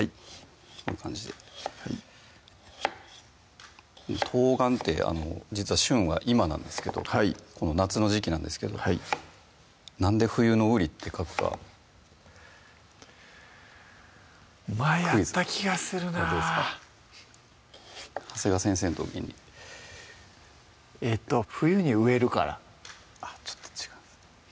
こんな感じで冬瓜って実は旬は今なんですけどこの夏の時季なんですけどはいなんで冬の瓜って書くか前やった気がするな長谷川先生の時にえっと冬に植えるからあっちょっと違います